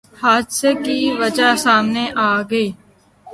حادثے کی وجہ سامنے آگئی